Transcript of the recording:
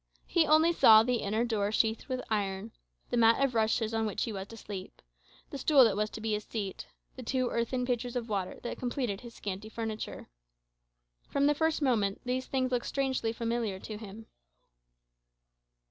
He only saw the inner door sheathed with iron; the mat of rushes on which he was to sleep; the stool that was to be his seat; the two earthen pitchers of water that completed his scanty furniture. From the first moment these things looked strangely familiar to him.